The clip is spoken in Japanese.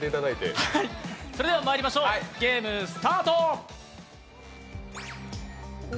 それではまいりましょう、ゲームスタート！